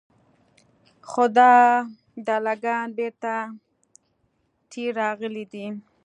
خو دا دله ګان بېرته تې راغلي دي.